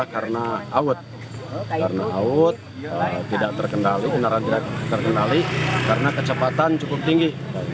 karena awet tidak terkendali karena kecepatan cukup tinggi